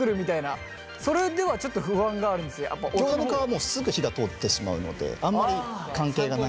もうすぐ火が通ってしまうのであんまり関係がない。